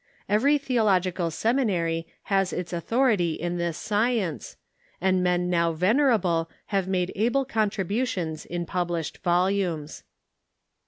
Every theological seminary has its authority in this science, and men now venerable have made able contributions in published volumes.